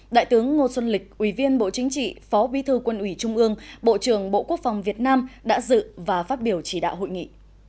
đại tướng ngô xuân lịch ủy viên bộ chính trị phó bí thư quân ủy trung ương bộ trưởng bộ quốc phòng việt nam đã dự và phát biểu chỉ đạo hội nghị